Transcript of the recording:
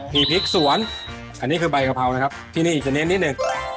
มีพริกสวนอันนี้คือใบกะเพรานะครับที่นี่จะเน้นนิดหนึ่ง